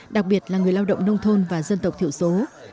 đặc biệt là người lao động nông thôn và dân tộc thiểu số